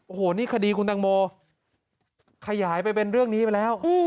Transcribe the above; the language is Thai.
โอ้โหนี่คดีคุณตังโมขยายไปเป็นเรื่องนี้ไปแล้ว